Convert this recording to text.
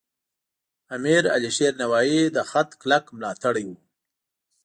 امیر علیشیر نوایی د خط کلک ملاتړی و.